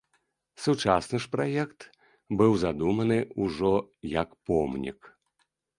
Сучасны ж праект быў задуманы ўжо як помнік.